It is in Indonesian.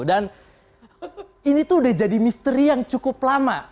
dan ini tuh udah jadi misteri yang cukup lama